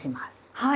はい。